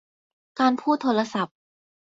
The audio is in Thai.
การพูดโทรศัพท์